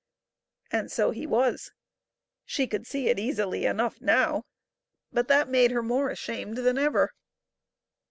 And so he was ! She could see it easily enough now, but that made her more ashamed than ever.